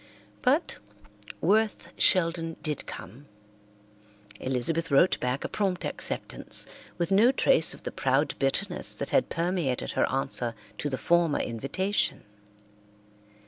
But Worth Sheldon did come. Elizabeth wrote back a prompt acceptance, with no trace of the proud bitterness that had permeated her answer to the former invitation.